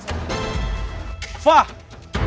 spect skin dari audara lo